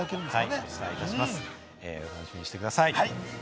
はい、楽しみにしていてください。